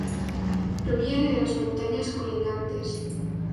Proviene de las montañas colindantes.